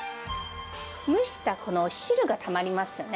蒸したこの汁がたまりますよね。